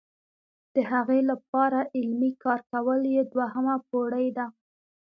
د هغې لپاره عملي کار کول یې دوهمه پوړۍ ده.